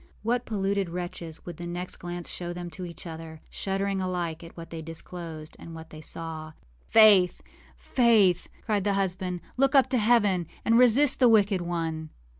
What polluted wretches would the next glance show them to each other, shuddering alike at what they disclosed and what they saw! âFaith! Faith!â cried the husband, âlook up to heaven, and resist the wicked one.